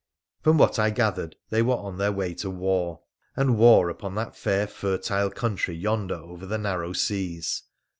From what I gathered, they were on their way to war, and war upon that fair, fertile country yonder over the narrow seas.